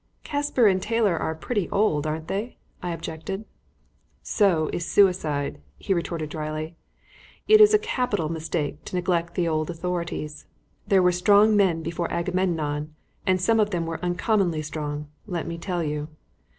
"Casper and Taylor are pretty old, aren't they?" I objected. "So is suicide," he retorted drily. "It is a capital mistake to neglect the old authorities. 'There were strong men before Agamemnon,' and some of them were uncommonly strong, let me tell you.